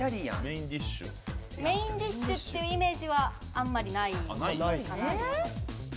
メインディッシュっていうイメージはあんまりないかなと思います。